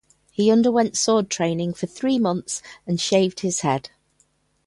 He underwent sword training for three months and shaved his head.